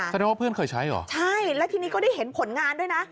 แสดงว่าเพื่อนเคยใช้เหรอใช่แล้วทีนี้ก็ได้เห็นผลงานด้วยนะ